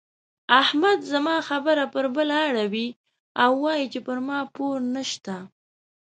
احمد زما خبره پر بله اړوي او وايي چې پر ما پور نه شته.